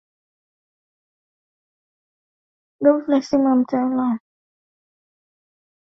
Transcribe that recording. Ghafla simu ya mtaalamu wa ufundi iliita akanyanyuka na kutoka nje